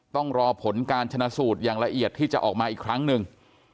ต้องรอผลการชนะสูตรอย่างละเอียดที่จะออกมาอีกครั้งหนึ่ง